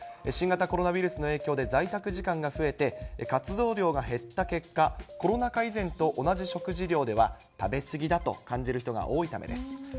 新型コロナウイルスの影響で在宅時間が増えて、活動量が減った結果、コロナ禍以前と同じ食事量では、食べ過ぎだと感じる人が多いためです。